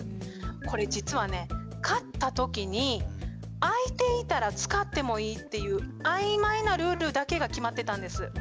これ実はね買った時に空いていたら使ってもいいっていう曖昧なルールだけが決まってたんです。